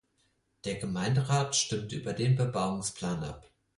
Der Gemeinderat stimmte über den Bebauungsplan ab.